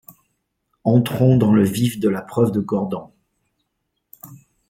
Entrons dans le vif de la preuve de Gordan.